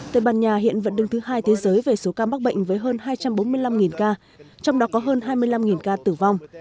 tây ban nha hiện vẫn đứng thứ hai thế giới về số ca mắc bệnh với hơn hai trăm bốn mươi năm ca trong đó có hơn hai mươi năm ca tử vong